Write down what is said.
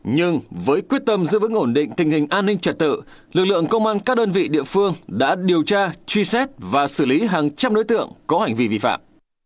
nhưng với quyết tâm giữ vững ổn định tình hình an ninh trật tự lực lượng công an các đơn vị địa phương đã điều tra truy xét và xử lý hàng trăm đối tượng có hành vi vi phạm